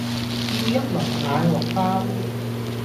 要一籠奶黃包